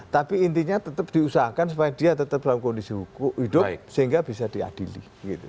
tapi intinya tetap diusahakan supaya dia tetap dalam kondisi hidup sehingga bisa diadili